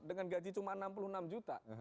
dengan gaji cuma enam puluh enam juta